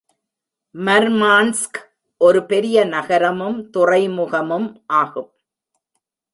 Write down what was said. மர்மான்ஸ்க் ஒரு பெரிய நகரமும் துறை முகமும் ஆகும்.